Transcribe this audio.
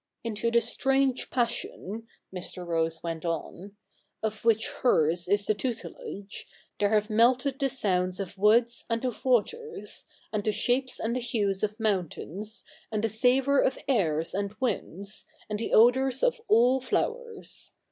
'" Into the strange passion ^^^' Mr. Rose went on, '"^ which hers is the tutelage^ the7'e have 77ielted the soimds of woods a7id of waters, and the shapes arid the hues of moiintairis^ arid the savour of airs arid zvinds, and the odours of all flowers.